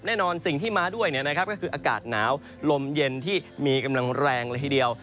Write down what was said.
แน่นอนสิ่งที่มาด้วยก็คืออากาศหนาวลมเย็นที่มีกำลังแรงเลยทีเดียว